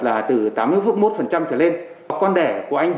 và bài thi đánh giá là sáu mươi điểm xét tuyển